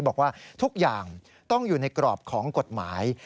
บอกว่าทุกอย่างต้องอยู่ในกรอบของกฎหมาย